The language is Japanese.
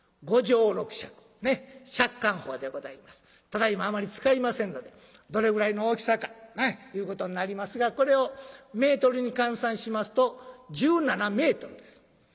ただいまあまり使いませんのでどれぐらいの大きさかいうことになりますがこれをメートルに換算しますと１７メートルです。